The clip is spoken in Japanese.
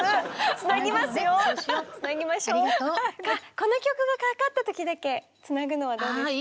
この曲がかかった時だけつなぐのはどうですか？